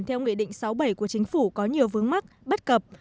theo nghị định sáu bảy của chính phủ có nhiều vướng mắt bất cập